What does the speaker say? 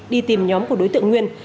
đi tìm nhóm của đối tượng nguyên